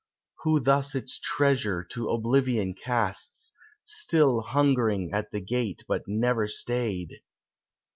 Who thus its treasure to Oblivion casts, Still hungering at the gate but never stayed?"